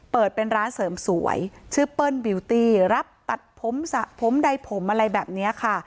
เปิดเป็นร้านเสริมสวยชื่อเปิ้ลบิวตี้รับตัดผมสระผมใดผมอะไรแบบนี้ค่ะ